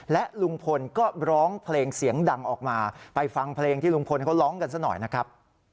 และลุงพลก็ร้องเพลงเสียงดังออกมาไปฟังเพลงที่ลุงพลเขาร้องกันซะหน่อยนะครับ